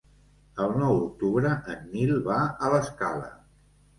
El nou d'octubre en Nil va a l'Escala.